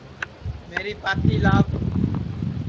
میری پاتی لاو